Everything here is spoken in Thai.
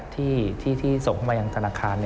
ที่ส่งมากับธนาคาร